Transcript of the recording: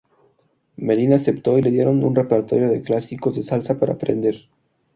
Melina aceptó y le dieron un repertorio de clásicos de salsa para aprender.